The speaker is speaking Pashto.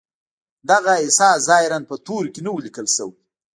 دغه احساس ظاهراً په تورو کې نه و ليکل شوی.